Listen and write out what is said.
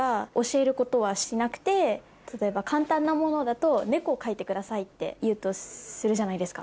例えば簡単なものだと猫を描いてくださいって言うとするじゃないですか。